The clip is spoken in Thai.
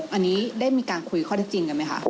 กำหนังนกอันนี้ได้มีการคุยข้อจริงกันไหมคะ